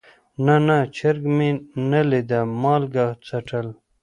نه نه چرګ مې نه ليده مالګه څټل.